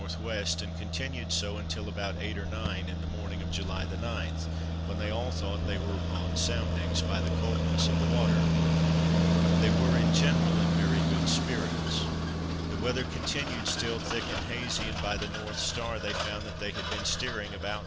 W. and continued so until about eight or nine in the morning of July 9, when they all thought they were upon soundings, by the coldness of the water. They were, in general, in very good spirits. The weather continued still thick and hazy, and by the North star, they found that they had been steering about N.